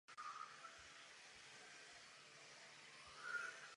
Minor byl nástupcem modelu "Morris Eight".